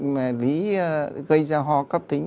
mà lý gây ra ho cấp tính